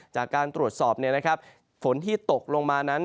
จากการตรวจสอบฝนที่ตกลงมานั้น